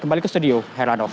kembali ke studio herano